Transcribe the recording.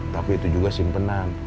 tapi itu juga simpenan